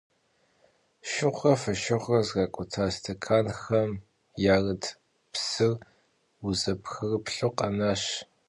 Şşığure foşşığure zrak'uta stekanxem yarıt psır vuzepxrıplhu khenaş.